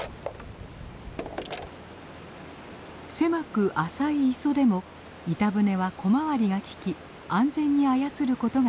狭く浅い磯でも板舟は小回りが利き安全に操ることができます。